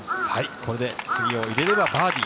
これで次を入れればバーディー。